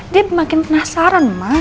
dia makin penasaran ma